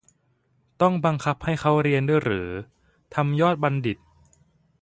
ต้องบังคับให้เขาเรียนด้วยเหรอ ทำยอดบัณฑิต?